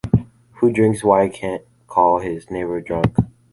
Who drinks why can’t call his neighbor drunk.